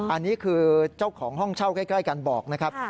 อันนี้คือเจ้าของห้องเช่าใกล้กันบอกนะครับ